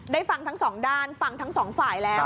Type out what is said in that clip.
ฟังทั้งสองด้านฟังทั้งสองฝ่ายแล้ว